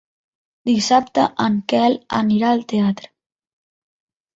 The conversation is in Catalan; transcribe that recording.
Dissabte en Quel anirà al teatre.